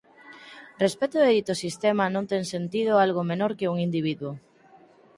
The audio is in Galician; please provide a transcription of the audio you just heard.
Respecto de dito sistema non ten sentido algo menor que un individuo.